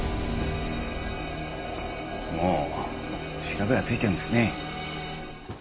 もう調べはついているんですね。